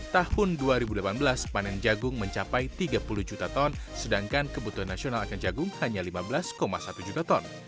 tahun dua ribu delapan belas panen jagung mencapai tiga puluh juta ton sedangkan kebutuhan nasional akan jagung hanya lima belas satu juta ton